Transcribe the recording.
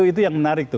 itu yang menarik tuh